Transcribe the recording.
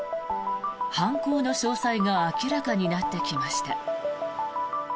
犯行の詳細が明らかになってきました。